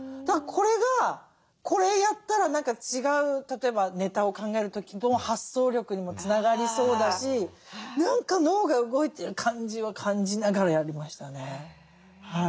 これがこれやったら何か違う例えばネタを考える時の発想力にもつながりそうだし何か脳が動いてる感じは感じながらやりましたね。